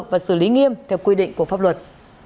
và xử lý nghiêm theo quy định của pháp luật